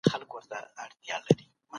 دوه اړخيزه اړيکي سياست ته مانا ورکوي.